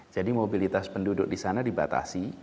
jadi mobilitas penduduk di sana dibatasi